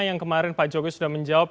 yang kemarin pak jokowi sudah menjawab